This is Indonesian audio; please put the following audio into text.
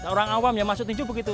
orang awam yang masuk petinju begitu